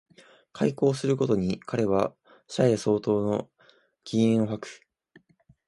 邂逅する毎に彼は車屋相当の気焔を吐く